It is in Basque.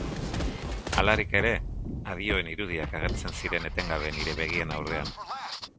Halarik ere, adioen irudiak agertzen ziren etengabe nire begien aurrean.